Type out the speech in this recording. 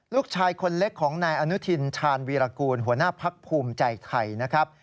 ลูกชายคนเล็กของนายอนุทินชาญวีรกูลหัวหน้าพักภูมิใจไทยนะครับ